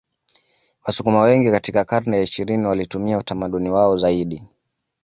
Wasukuma wengi katika karne ya ishirini walitumia utamaduni wao zaidi